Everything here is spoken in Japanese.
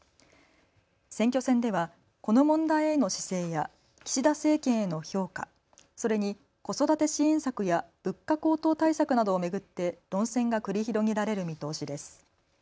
選挙戦ではこの問題への姿勢や岸田政権への評価、それに子育て支援策や物価高騰対策などを巡って論戦が繰り広げられる見通しです。